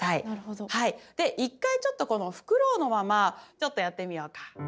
で一回ちょっとこのフクロウのままちょっとやってみようか。